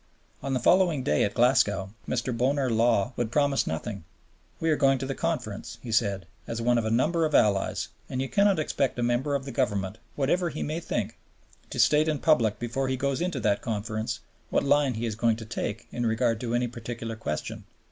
On the following day at Glasgow, Mr. Bonar Law would promise nothing. "We are going to the Conference," he said, "as one of a number of allies, and you cannot expect a member of the Government, whatever he may think, to state in public before he goes into that Conference, what line he is going to take in regard to any particular question."